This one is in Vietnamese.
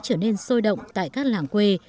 trở nên sôi động tại các làng quê